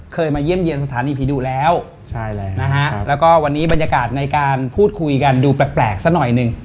มาเยี่ยมเยี่ยมสถานีผีดุแล้วใช่แล้วนะฮะแล้วก็วันนี้บรรยากาศในการพูดคุยกันดูแปลกสักหน่อยหนึ่ง